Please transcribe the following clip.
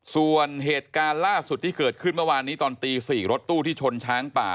ส่วนเหตุการณ์ล่าสุดที่เกิดขึ้นเมื่อวานนี้ตอนตี๔รถตู้ที่ชนช้างป่า